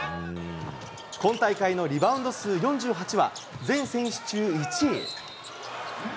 今大会のリバウンド数４８は、全選手中１位。